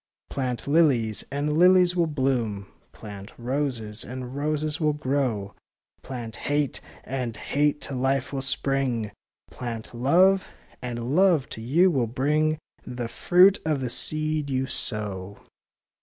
Plant lilies, and lilies will bloom; Plant roses, and roses will grow; Plant hate, and hate to life will spring; Plant love, and love to you will bring The fruit of the seed you sow.